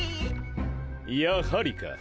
やはりか。